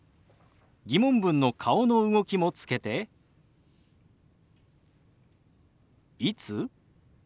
疑問文の顔の動きもつけて「いつ？」。